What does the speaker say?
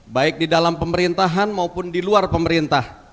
baik di dalam pemerintahan maupun di luar pemerintah